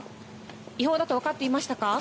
違法だと分かっていましたか。